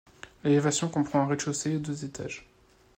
L'élévation comprend un rez-de-chaussée et deux étages.